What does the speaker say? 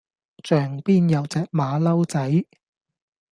象邊有隻馬騮仔